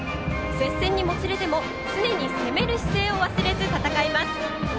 接戦にもつれても常に攻める姿勢を忘れず戦います。